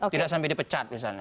tidak sampai dipecat misalnya